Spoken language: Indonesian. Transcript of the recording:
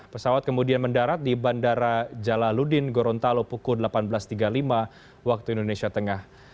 pesawat kemudian mendarat di bandara jalaludin gorontalo pukul delapan belas tiga puluh lima waktu indonesia tengah